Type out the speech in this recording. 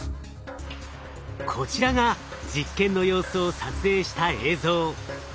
こちらが実験の様子を撮影した映像。